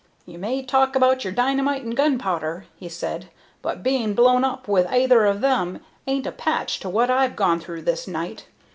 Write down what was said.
"You may talk about your dynamite and gunpowder," he said, "but being blown up with aither of them isn't a patch to what I've gone through this night.